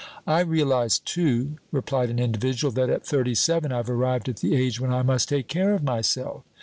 'I realize, too,' replied an individual, 'that at thirty seven I've arrived at the age when I must take care of myself!'